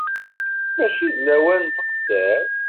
Mačči d lawan n ttqessir.